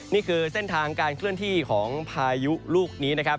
นี่คือเส้นทางการเคลื่อนที่ของพายุลูกนี้นะครับ